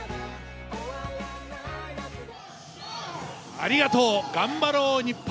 ありがとう、がんばろう日本！